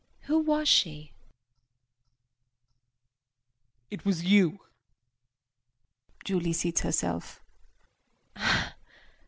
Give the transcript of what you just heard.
Who was she? JEAN. It was you! [Julie seats herself.